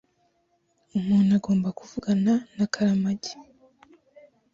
Umuntu agomba kuvugana na Karamage.